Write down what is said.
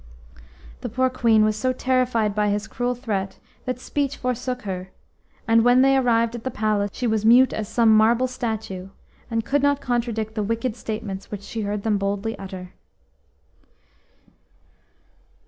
The poor Queen was so terrified by his cruel threat that speech forsook her, and when they arrived at the palace she was mute as some marble statue, and could not contradict the wicked statements which she heard them boldly utter.